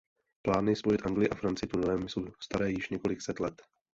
Plány spojit Anglii a Francii tunelem jsou staré již několik set let.